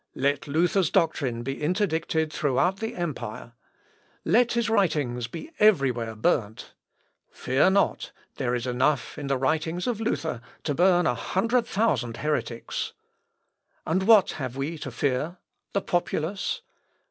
Let Luther's doctrine be interdicted throughout the empire: let his writings be everywhere burnt. Fear not: there is enough in the writings of Luther to burn a hundred thousand heretics.... And what have we to fear?... The populace?